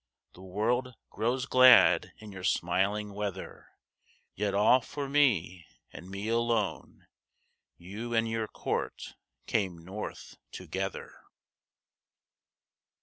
The world grows glad in your smiling weather; Yet all for me, and me alone, You and your Court came North together.